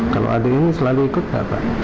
kalau adik ini selalu ikut gak pak